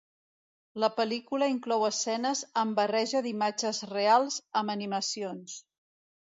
La pel·lícula inclou escenes amb barreja d'imatges reals amb animacions.